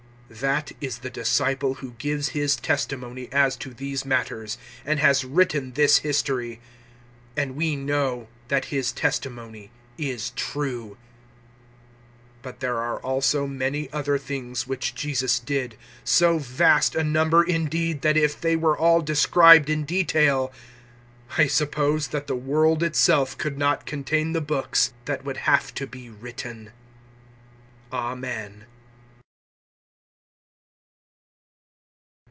021:024 That is the disciple who gives his testimony as to these matters, and has written this history; and we know that his testimony is true. 021:025 But there are also many other things which Jesus did so vast a number indeed that if they were all described in detail, I suppose that the world itself could not contain the books that would have to be written.